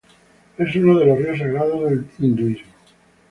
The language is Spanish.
Es uno de los ríos sagrados del hinduismo.